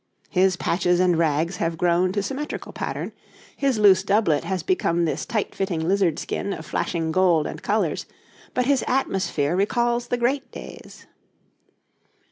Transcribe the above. His patches and rags have grown to symmetrical pattern, his loose doublet has become this tight fitting lizard skin of flashing gold and colours, but his atmosphere recalls the great days.